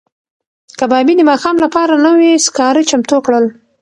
کبابي د ماښام لپاره نوي سکاره چمتو کړل.